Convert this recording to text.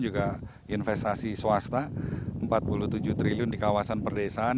juga investasi swasta empat puluh tujuh triliun di kawasan perdesaan